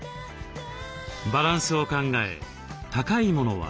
バランスを考え高いものは後ろへ。